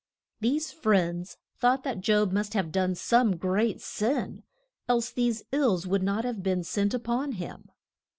These friends thought that Job must have done some great sin, else these ills would not have been sent up on him.